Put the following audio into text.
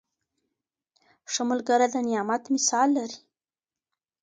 ښه ملګری د نعمت مثال لري.